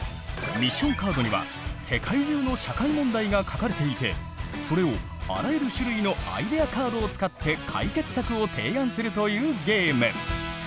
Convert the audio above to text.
ミッションカードには世界中の社会問題が書かれていてそれをあらゆる種類のアイデアカードを使って解決策を提案するというゲーム。